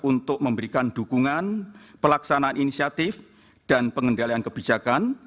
untuk memberikan dukungan pelaksanaan inisiatif dan pengendalian kebijakan